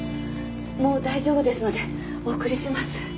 もう大丈夫ですのでお送りします